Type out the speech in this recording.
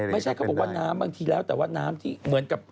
ไม่ใช่แค่น้ำบังที่แล้วแต่ว่าน้ำที่เหมือนกับ